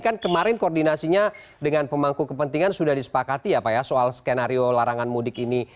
kan kemarin koordinasinya dengan pemangku kepentingan sudah disepakati ya pak ya soal skenario larangan mudik ini